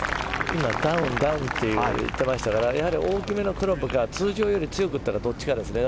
ダウン、ダウンと言っていましたから大きめのクラブか通常より強く打ったかどっちかですね。